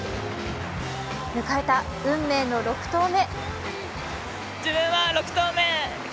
迎えた運命の６投目。